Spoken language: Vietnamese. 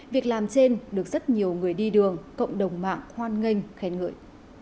việc làm trên được rất nhiều người đi đường cộng đồng mạng hoan nghênh khen ngợi